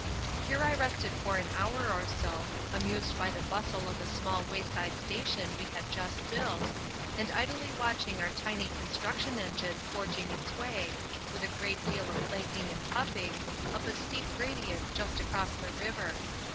Here I rested for an hour or so, amused by the bustle at the small wayside station we had just built, and idly watching our tiny construction engine forging its way, with a great deal of clanking and puffing, up a steep gradient just across the river.